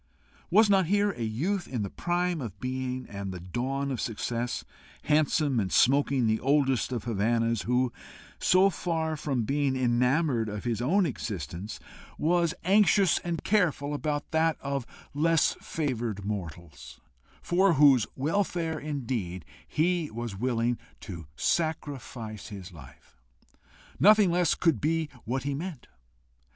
Was not here a youth in the prime of being and the dawn of success, handsome, and smoking the oldest of Havannahs, who, so far from being enamoured of his own existence, was anxious and careful about that of less favoured mortals, for whose welfare indeed he was willing to sacrifice his life? nothing less could be what he meant.